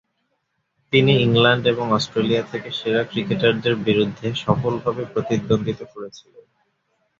তিনি ইংল্যান্ড এবং অস্ট্রেলিয়া থেকে সেরা ক্রিকেটারদের বিরুদ্ধে সফলভাবে প্রতিদ্বন্দ্বিতা করেছিলেন।